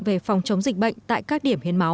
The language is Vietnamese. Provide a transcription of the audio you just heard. về phòng chống dịch bệnh tại các điểm hiến máu